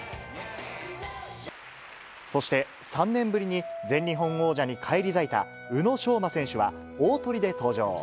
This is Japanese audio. そして、３年ぶりに全日本王者に返り咲いた宇野昌磨選手は、大トリで登場。